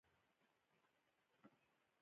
د پکتیکا په سروضه کې د څه شي نښې دي؟